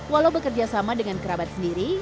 walau bekerja sama dengan kerabat sendiri